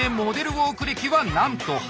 ウォーク歴はなんと８年！